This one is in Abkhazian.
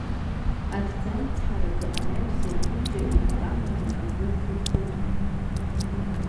Аҭӡамц ҳаракы анаҩсан ҩыџьа еидтәаланы акы рхәыҭхәыҭуан.